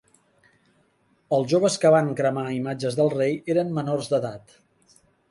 Els joves que van cremar imatges del rei eren menors d'edat